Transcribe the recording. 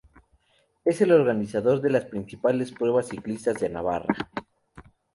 Es el organizador de las principales pruebas ciclistas de Navarra.